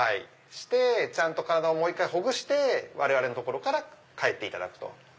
ちゃんと体をもう１回ほぐして我々のところから帰っていただく。